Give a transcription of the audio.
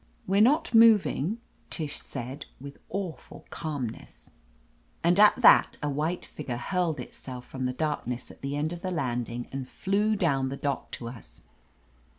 "We're not moving," Tish said with awful calmness. And at that a white figure hurled itself from . the darkness at the end of the landing and flew down the dock to us.